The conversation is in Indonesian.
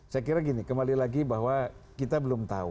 saya kira gini kembali lagi bahwa kita belum tahu